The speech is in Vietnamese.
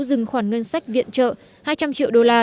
dừng khoản ngân sách viện trợ hai trăm linh triệu đô la